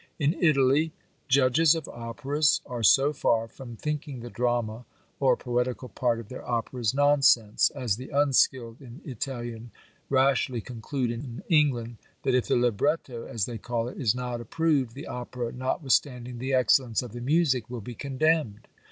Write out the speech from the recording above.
"In Italy, judges of operas are so far from thinking the drama or poetical part of their operas nonsense, as the unskilled in Italian rashly conclude in England, that if the Libretto, as they call it, is not approved, the opera, notwithstanding the excellence of the music, will be condemned.